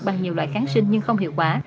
bằng nhiều loại kháng sinh nhưng không hiệu quả